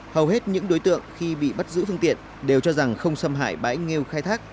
hầu hết những đối tượng khi bị bắt giữ phương tiện đều cho rằng không xâm hại bãi nghêu khai thác